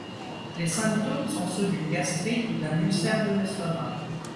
Les symptômes sont ceux d'une gastrite ou d'un ulcère de l'estomac.